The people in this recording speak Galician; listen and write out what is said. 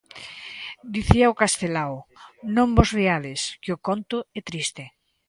Dicíao Castelao: "Non vos riades, que o conto é triste".